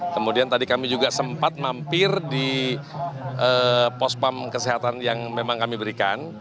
kemudian tadi kami juga sempat mampir di pospam kesehatan yang memang kami berikan